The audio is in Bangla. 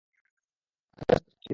আপনাদের সবকিছু জানা উচিত!